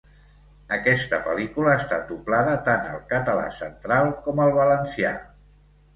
Aquesta pel·lícula ha estat doblada tant al català central com al valencià.